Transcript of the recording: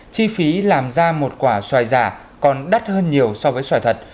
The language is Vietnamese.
chi phí làm ra một quả xoài giả còn đắt hơn nhiều so với xoài thật